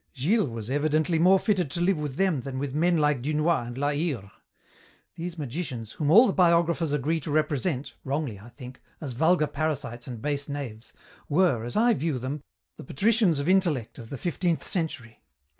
Gilles was evidently more fitted to live with them than with men like Dunois and La Hire. These magicians, whom all the biographers agree to represent wrongly, I think as vulgar parasites and base knaves, were, as I view them, the patricians of intellect of the fifteenth century.